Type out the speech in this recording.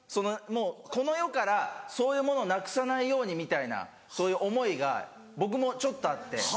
この世からそういうものをなくさないようにみたいなそういう思いが僕もちょっとあって。